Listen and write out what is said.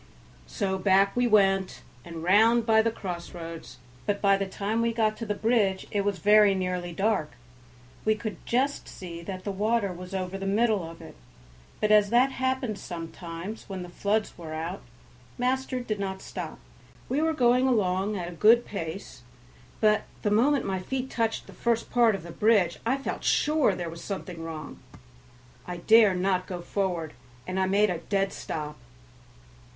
So back we went and round by the crossroads, but by the time we got to the bridge it was very nearly dark; we could just see that the water was over the middle of it; but as that happened sometimes when the floods were out, master did not stop. We were going along at a good pace, but the moment my feet touched the first part of the bridge I felt sure there was something wrong. I dare not go forward, and I made a dead stop.